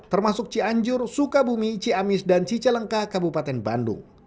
termasuk cianjur sukabumi ciamis dan cicalengka kabupaten bandung